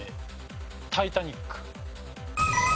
タイタニック。